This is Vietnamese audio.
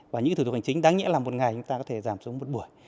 và những thủ tục hành chính đáng nghĩa là một ngày chúng ta có thể giảm xuống một buổi